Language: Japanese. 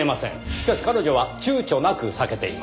しかし彼女は躊躇なく避けています。